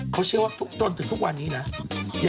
เขาเชื่อว่าทุกชนถึงทุกวันนี้